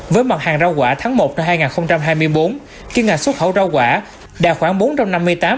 với mặt hàng rau quả tháng một năm hai nghìn hai mươi bốn kiêm ngạch xuất khẩu rau quả đạt khoảng bốn trăm năm mươi tám bảy trăm bốn mươi một